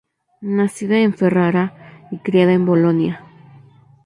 Nacida en Ferrara y criada en Bolonia.